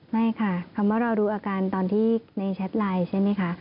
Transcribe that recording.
ไม่ค่ะคำว่ารอดูอาการตอนที่ในแชทไลน์ใช่ไหมคะ